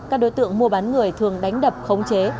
các đối tượng mua bán người thường đánh đập khống chế